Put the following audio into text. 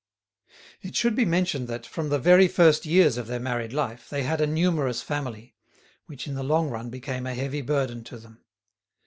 It should be mentioned that, from the very first years of their married life, they had a numerous family, which in the long run became a heavy burden to them.